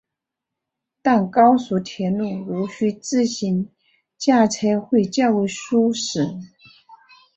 但高速铁路毋须自行驾车会较为舒适。